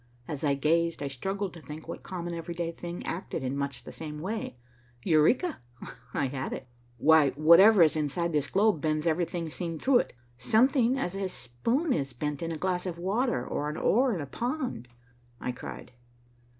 As I gazed, I struggled to think what common everyday thing acted in much the same way. Eureka, I had it. "Why, whatever is inside this globe bends everything seen through it, something as a spoon is bent in a glass of water or an oar in a pond," I cried.